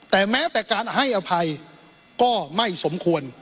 แต่แม้แต่การให้อภัยก็ไม่สมควร